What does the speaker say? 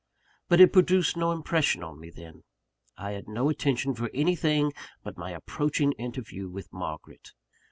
But it produced no impression on me then: I had no attention for anything but my approaching interview with Margaret.